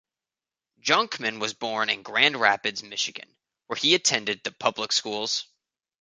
Jonkman was born in Grand Rapids, Michigan where he attended the public schools.